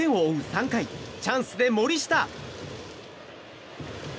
３回チャンスで森下。